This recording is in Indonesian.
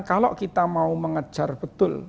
kalau kita mau mengejar betul